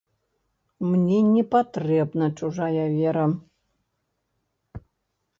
Мне не патрэбна чужая вера.